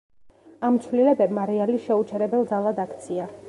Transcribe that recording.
ამ ცვლილებებმა „რეალი“ შეუჩერებელ ძალად აქცია.